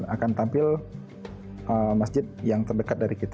akan tampil masjid yang terdekat dari kita